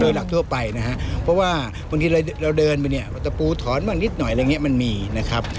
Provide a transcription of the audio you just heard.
โดยหลักทั่วไปนะฮะเพราะว่าบางทีเราเดินไปเนี่ยตะปูถอนบ้างนิดหน่อยอะไรอย่างนี้มันมีนะครับ